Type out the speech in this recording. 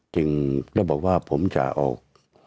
จึงได้บอกว่าผมจะออก